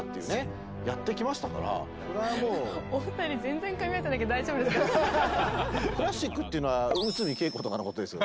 お二人クラシックっていうのは内海桂子とかのことですよね？